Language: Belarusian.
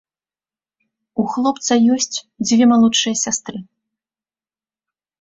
У хлопца ёсць дзве малодшыя сястры.